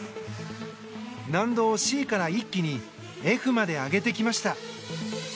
難度をＣから一気にＦまで上げてきました。